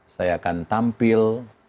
saya akan tampil